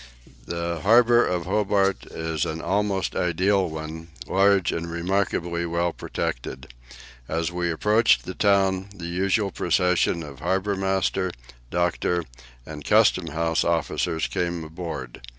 The harbour of Hobart is an almost ideal one, large and remarkably well protected. As we approached the town, the usual procession of harbour master, doctor, and Custom house officers came aboard.